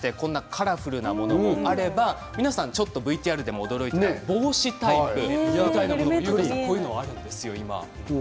カラフルなものもあればちょっとＶＴＲでも驚いていた帽子タイプみたいなものもあるんですよ。